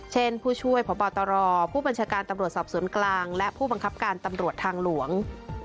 เช่นผู้ช่วยพบตรผู้บัญชาการตำรวจสอบสวนกลางและผู้บังคับการตำรวจทางหลวง